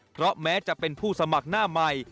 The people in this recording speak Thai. เพราะแม้จะเป็นผู้สมัครหน้าใหม่